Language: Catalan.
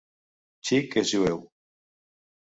Chick és jueu.